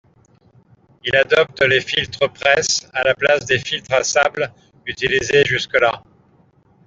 Il adopte les filtres-presse, à la place des filtres à sable utilisés jusque-là.